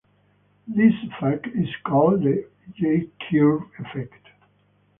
This effect is called the J-curve effect.